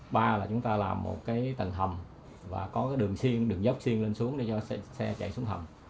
ba là chúng ta làm một cái tầng hầm và có cái đường xuyên đường dốc xuyên lên xuống để cho xe chạy xuống hầm